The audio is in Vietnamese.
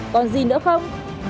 còn gì nữa không